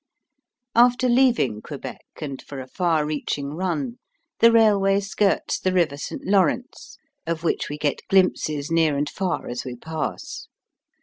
After leaving Quebec, and for a far reaching run, the railway skirts the river St. Lawrence, of which we get glimpses near and far as we pass.